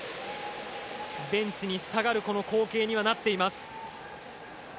ベンチに下がる、この光景にはなっています。